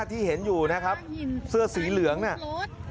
ที่เห็นอยู่นะครับเสื้อสีเหลืองเนี่ย